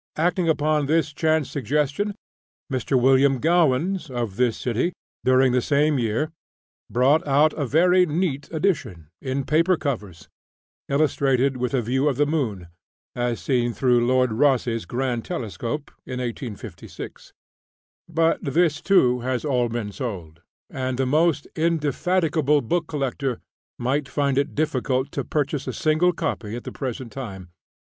Acting upon this chance suggestion, Mr. William Gowans, of this city, during the same year, brought out a very neat edition, in paper covers, illustrated with a view of the moon, as seen through Lord Rosse's grand telescope, in 1856. But this, too, has all been sold; and the most indefatigable book collector might find it difficult to purchase a single copy at the present time.